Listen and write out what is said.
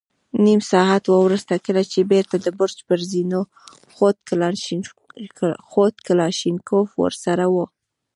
نيم ساعت وروسته چې کله بېرته د برج پر زينو خوت، کلاشينکوف ور سره و.